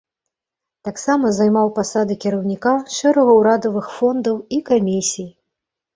Таксама займаў пасады кіраўніка шэрагу ўрадавых фондаў і камісій.